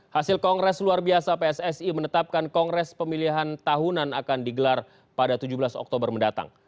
hasil kongres luar biasa pssi menetapkan kongres pemilihan tahunan akan digelar pada tujuh belas oktober mendatang